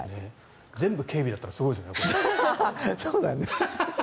全部警備だったらすごいですよね。